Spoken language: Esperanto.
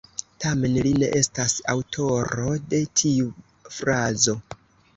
Tamen li ne estas aŭtoro de tiu frazo.